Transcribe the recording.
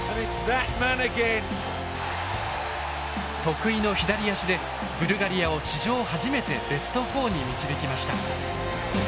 得意の左足でブルガリアを史上初めてベスト４に導きました。